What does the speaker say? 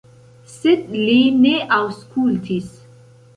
Sed li ne aŭskultis.